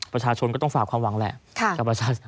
ประชาชนก็ต้องฝากความหวังแหละ